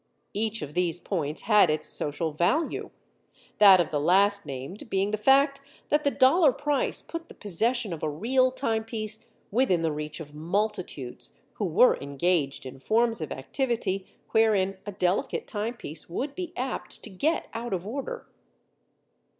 Each of these points had its social value—that of the last named being the fact that the dollar price put the possession of a real timepiece within the reach of multitudes who were engaged in forms of activity wherein a delicate timepiece would be apt to get out of order.